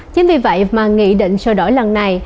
chính vì vậy mà nghị định sửa đổi lần này